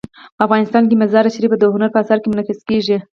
افغانستان کې مزارشریف د هنر په اثار کې منعکس کېږي.